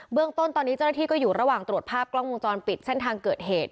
เรื่องต้นตอนนี้เจ้าหน้าที่ก็อยู่ระหว่างตรวจภาพกล้องวงจรปิดเส้นทางเกิดเหตุ